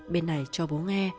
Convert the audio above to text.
bên này cho bố nghe